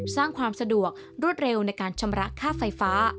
สร้างความสะดวกรวดเร็วในการชำระค่าไฟฟ้า